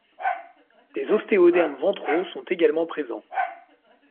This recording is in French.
Des ostéodermes ventraux sont également présents.